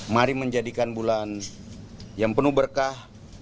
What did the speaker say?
mari menjadikan bulan yang penuh berkah